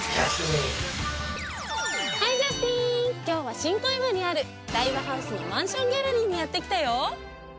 今日は新小岩にある大和ハウスのマンションギャラリーにやって来たよ。